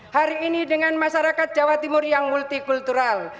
hari ini dengan masyarakat jawa timur yang multikultural